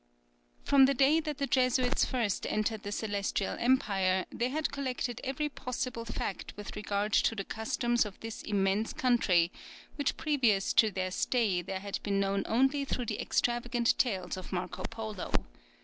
From the day that the Jesuits first entered the Celestial Empire, they had collected every possible fact with regard to the customs of this immense country, which previous to their stay there had been known only through the extravagant tales of Marco Polo.